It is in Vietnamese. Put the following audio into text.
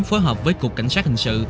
phối hợp với cục cảnh sát hình sự